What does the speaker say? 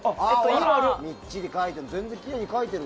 みっちり書いてる。